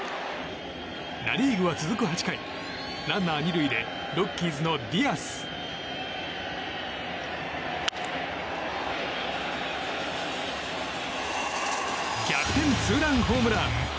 ナ・リーグは、続く８回ランナー２塁でロッキーズのディアス。逆転ツーランホームラン。